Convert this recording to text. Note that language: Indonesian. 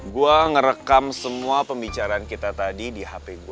gue ngerekam semua pembicaraan kita tadi di hp gue